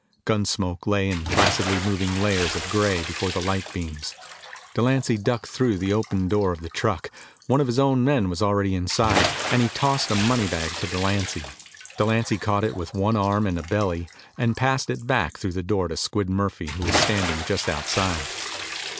Gun smoke lay in placidly moving layers of gray before the light beams. Delancy ducked through the open door of the truck. One of his own men was already inside, and he tossed a money bag to Delancy. Delancy caught it with one arm and a belly and passed it back through the door to Squid Murphy who was standing just outside.